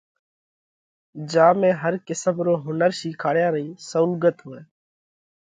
جيا ۾ هر قسم رو هُنر شِيکاڙيا رئِي سئُولڳت هوئہ۔